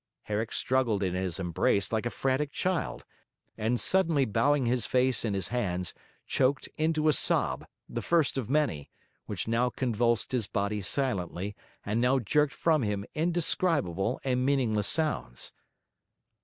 Herrick struggled in his embrace like a frantic child, and suddenly bowing his face in his hands, choked into a sob, the first of many, which now convulsed his body silently, and now jerked from him indescribable and meaningless sounds.